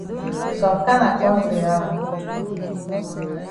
Some kana kontry how?